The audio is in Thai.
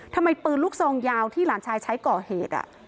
ปืนลูกซองยาวที่หลานชายใช้ก่อเหตุ